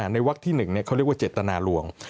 วักที่๑เขาเรียกว่าเจตนาลวง